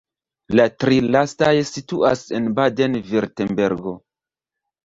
La tri lastaj situas en Baden-Virtembergo.